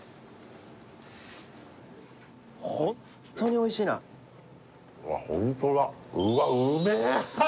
ホントにおいしいなうわホントだうわ